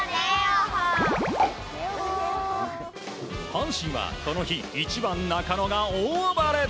阪神はこの日１番、中野が大暴れ。